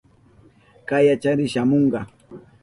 Kayachari shamunka.